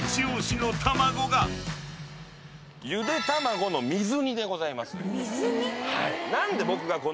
ゆでたまごの水煮でございます。